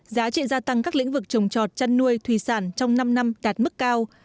giá trị gia tăng các lĩnh vực trồng trọt chăn nuôi thủy sản trong năm năm đạt mức cao